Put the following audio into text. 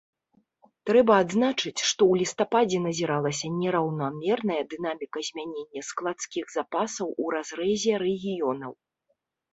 Трэба адзначыць, што ў лістападзе назіралася нераўнамерная дынаміка змянення складскіх запасаў у разрэзе рэгіёнаў.